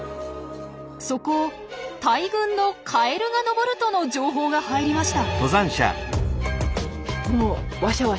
そこを大群のカエルが登るとの情報が入りました！